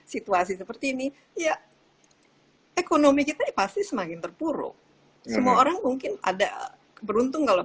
situasi seperti ini ya ekonomi kita pasti semakin terpuruk semua orang mungkin ada beruntung kalau